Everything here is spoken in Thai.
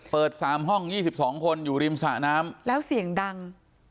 เปิดสามห้องยี่สิบสองคนอยู่ริมสระน้ำแล้วเสียงดังอ๋อ